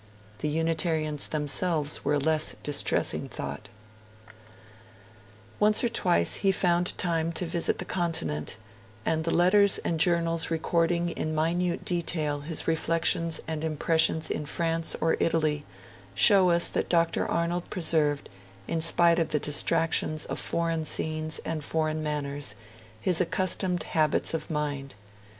The Unitarians themselves were a less distressing thought. Once or twice he found time to visit the Continent, and the letters and journals recording in minute detail his reflections and impressions in France or Italy show us that Dr. Arnold preserved, in spite of the distractions of foreign scenes and foreign manners, his accustomed habits of mind.